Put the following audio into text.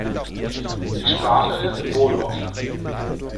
Die Sprache ist Wolof.